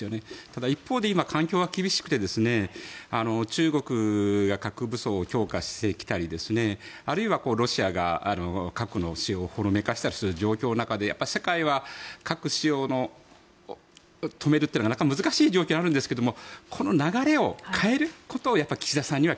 ただ、一方で今、環境は厳しくて中国が核武装を強化してきたりあるいはロシアが核の使用をほのめかしたりする状況の中で世界は核使用を止めるというのは難しい状況にあるんですがこの流れを変えることを岸田さんには